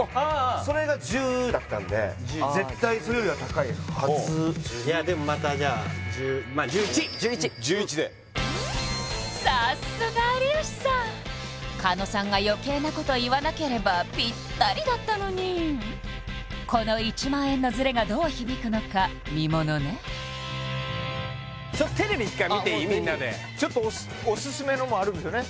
それが１０だったんで絶対それよりは高いはずいやでもまたじゃ１１１１１１でさすが有吉さん狩野さんが余計なこと言わなければぴったりだったのにこの１００００円のズレがどう響くのか見ものね１回みんなでちょっとオススメのもあるんですよね？